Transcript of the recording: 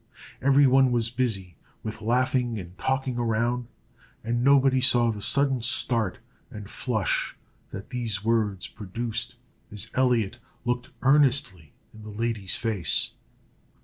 Every one was busy, with laughing and talking, around, and nobody saw the sudden start and flush that these words produced, as Elliot looked earnestly in the lady's face.